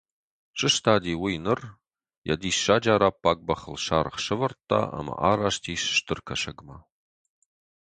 Сыстади уый ныр, йӕ диссаджы араббаг бӕхыл саргъ сӕвӕрдта ӕмӕ араст ис стыр Кӕсӕгмӕ.